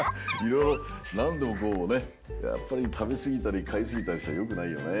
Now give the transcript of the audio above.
なんでもこうねやっぱりたべすぎたりかいすぎたりしたらよくないよね。